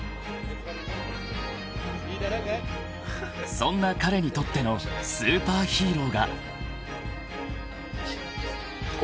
［そんな彼にとってのスーパーヒーローが］